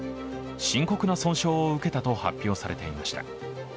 深刻な損傷を受けたと発表されていました。